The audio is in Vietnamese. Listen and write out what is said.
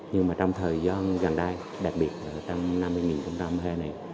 nhưng mà trong thời gian gần đây đặc biệt trong năm mươi trung tâm hệ này